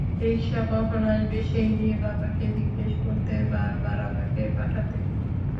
রিকশা কখন আসবে সেই নিয়ে বাবাকে জিজ্ঞেস করতে বারবার আমাকে পাঠাতেন।